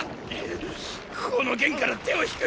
この件から手を引く。